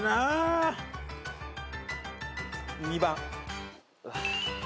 ２番。